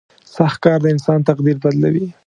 • سخت کار د انسان تقدیر بدلوي.